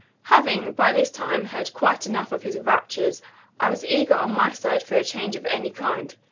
Having, by this time, heard quite enough of his raptures, I was eager on my side for a change of any kind.